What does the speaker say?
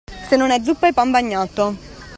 Se non è zuppa è pan bagnato.